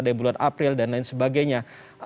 ada yang bulan april dan lain sebagainya